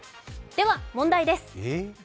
では問題です。